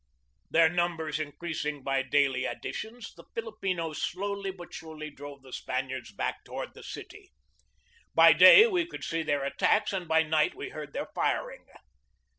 1 Their numbers increasing by daily additions, the Filipinos slowly but surely drove the Spaniards back toward the city. By day we could see their attacks, and by night we heard their firing.